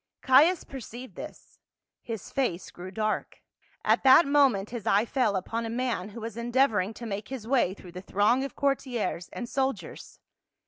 Caius perceived this ; his face grew dark. At that moment his eye fell upon a man who was endeavoring to make his way through the throng of courtiers and soldiers.